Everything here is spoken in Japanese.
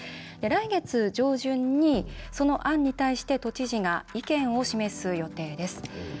来月上旬に、その案に対して都知事が意見を示す予定です。